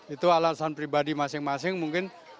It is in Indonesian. itu alasan pribadi masing masing mungkin